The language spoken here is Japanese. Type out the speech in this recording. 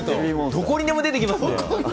どこにでも出てきますね。